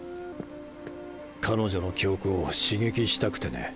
彼女の記憶を刺激したくてね。